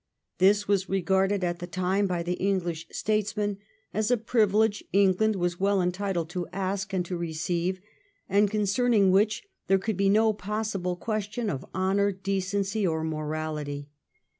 This was regarded at the time by English statesmen as a privilege England was well entitled to ask and to receive, and concerning which there could be no possible question of honour, decency, or morality.